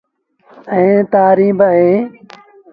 ائيٚݩ تآريٚݩ بااوهيݩ۔